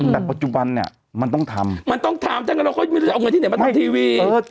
ฮืมปัจจุบันน่ะมันต้องทำมันต้องทำทั้งก็ลงทีเอาเงินที่ไหน